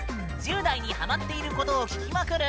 １０代にハマっていることを聞きまくる